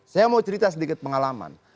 saya mau cerita sedikit pengalaman